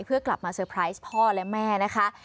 เพื่อกลับมาเตอร์ไพรส์พ่อและแม่นะคะ